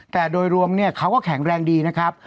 แต่โดยรวมเขาก็แข็งแรงดีนะครับ